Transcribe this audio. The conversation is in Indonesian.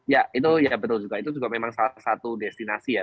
ya itu ya betul juga itu juga memang salah satu destinasi ya